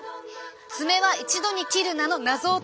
「爪は一度に切るな！」の謎を解く鍵。